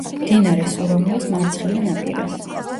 მდინარე სურამულას მარცხენა ნაპირას.